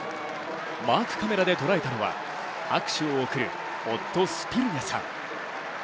マークカメラで捉えたのは拍手を送る夫・スピルニャさん。